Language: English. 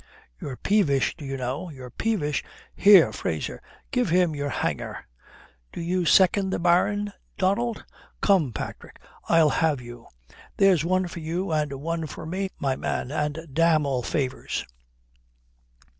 "You're peevish, do you know, you're peevish. Here, Fraser, give him your hanger. Do you second the bairn, Donald? Come, Patrick, I'll have you. There's one for you and one for me, my man, and damn all favours."